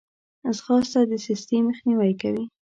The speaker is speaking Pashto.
ځغاسته د سستي مخنیوی کوي